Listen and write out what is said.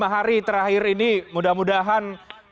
lima hari terakhir ini mudah mudahan